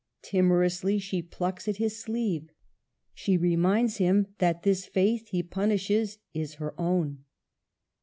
Timorously she plucks at his sleeve, she reminds him that this faith he pun ishes is her own.